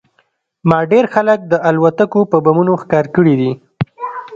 ما ډېر خلک د الوتکو په بمونو ښکار کړي دي